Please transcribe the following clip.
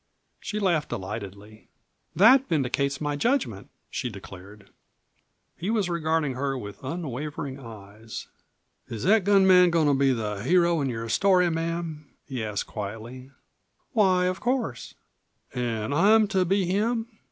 She laughed delightedly. "That vindicates my judgment," she declared. He was regarding her with unwavering eyes. "Is that gun man goin' to be the hero in your story, ma'am?" he asked quietly. "Why, of course." "An' I'm to be him?"